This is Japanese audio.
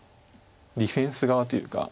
ディフェンス側というか。